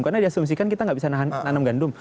karena diasumsikan kita nggak bisa nanam gandum